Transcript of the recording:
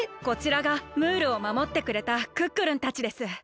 こちらがムールをまもってくれたクックルンたちです。